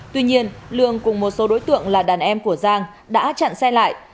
tuy nhiên lương cùng một số đối tượng là đàn em của giang đã chặn xe lại